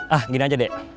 ah gini aja dek